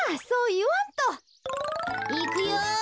いくよ！